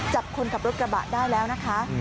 จับคนขับรถกระบะได้แล้วนะคะ